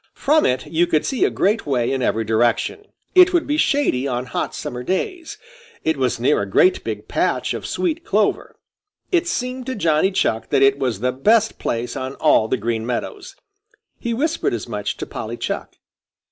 From it you could see a great way in every direction. It would be shady on hot summer days. It was near a great big patch of sweet clover. It seemed to Johnny Chuck that it was the best place on all the Green Meadows. He whispered as much to Polly Chuck.